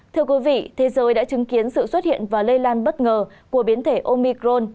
thưa quý vị thế giới đã chứng kiến sự xuất hiện và lây lan bất ngờ của biến thể omicron